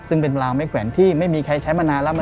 ซึ่งเป็นรางไม้แขวนที่ไม่มีใครใช้มานานแล้ว